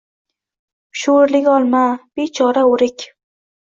Sho‘rlik olma. Bechora o‘rik.